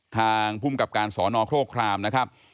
ทางภูมิกับการสอนอโครครามนะครับ